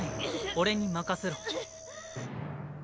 俺に任せろ。